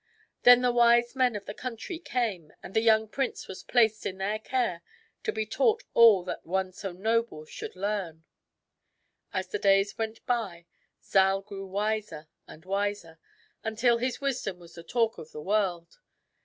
Then the wise men of the country came, and the young prince was placed in their care to be taught all that one so noble should learn. As the days went by, Zal grew wiser and wiser, until his wisdom was the talk of the world.